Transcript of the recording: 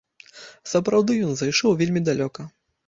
Сапраўды ён зайшоў вельмі далёка.